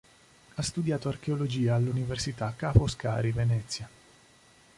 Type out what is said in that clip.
Ha studiato archeologia all'Università Ca' Foscari Venezia.